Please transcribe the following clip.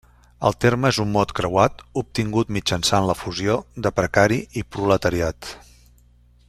El terme és un mot creuat obtingut mitjançant la fusió de precari i proletariat.